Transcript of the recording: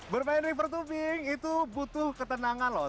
bermain river tubing itu butuh ketenangan loh